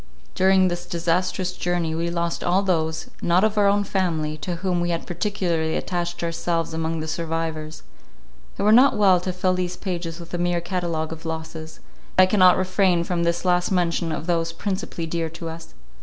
During this disastrous journey we lost all those, not of our own family, to whom we had particularly attached ourselves among the survivors. It were not well to fill these pages with a mere catalogue of losses; yet I cannot refrain from this last mention of those principally dear to us.